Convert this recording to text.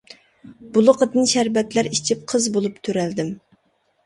بۇلىقىدىن شەربەتلەر ئېچىپ، قىز بولۇپ تۆرەلدىم.